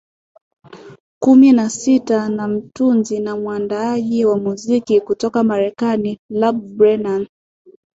kumi na sita na mtunzi na muaandaaji wa muziki kutoka Marekani Ian Brenann